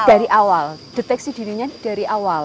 dari awal deteksi dirinya dari awal